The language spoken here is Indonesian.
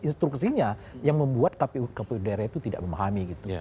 instruksinya yang membuat kpu daerah itu tidak memahami gitu